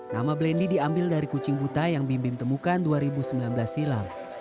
nama blendy diambil dari kucing buta yang bim bim temukan dua ribu sembilan belas silam